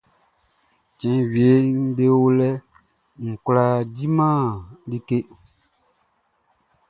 Cɛn wieʼm be o lɛʼn, n kwlá diman like.